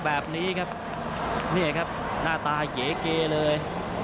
แบบนี้ครับเนี่ยครับหน้าตาเก๋เกเลย